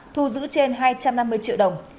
thu giữ trên hai trăm năm mươi triệu đồng